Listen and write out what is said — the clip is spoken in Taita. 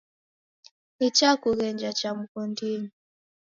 Nichakughenja cha mghondinyi.